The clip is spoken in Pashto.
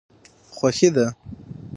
خوښي ده.